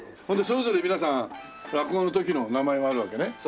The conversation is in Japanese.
それでそれぞれ皆さん落語の時の名前があるわけね？